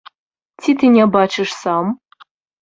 Ці ты не бачыш сам?